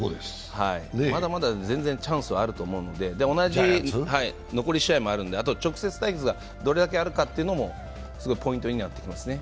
まだまだ全然チャンスはあると思うので残り試合もあるんであと、直接対決がどれくらいあるかというのもポイントになってきますね。